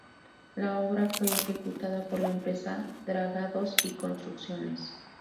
La obra fue ejecutada por la empresa Dragados y Construcciones.